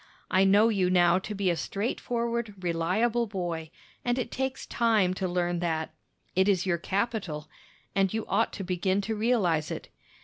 I know you now to be a straight forward, reliable boy, and it takes time to learn that. It is your capital, and you ought to begin to realize it.